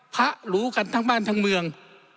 รู้กันทั้งบ้านทั้งเมือง